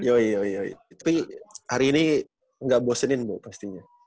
iya iya tapi hari ini gak bosenin bu pastinya